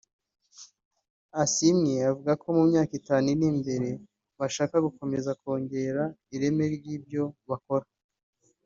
Asiimwe avuga ko mu myaka itanu iri imbere bashaka gukomeza kongera ireme ry’ibyo bakora